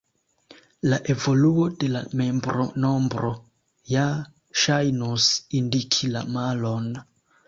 La evoluo de la membronombro ja ŝajnus indiki la malon.